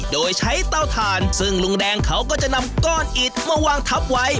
โดยใช้เตาถ่านซึ่งลุงแดงเขาก็จะนำก้อนอิดมาวางทับไว้